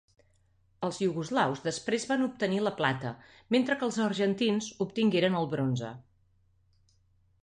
Els iugoslaus després van obtenir la plata, mentre que els argentins obtingueren el bronze.